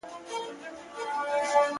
خدایه ته چیري یې او ستا مهرباني چیري ده.